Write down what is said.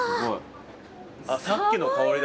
あっさっきの香りだ。